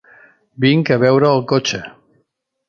Vinc a veure el cotxe.